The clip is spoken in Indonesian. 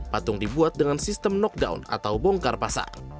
patung dibuat dengan sistem knockdown atau bongkar pasang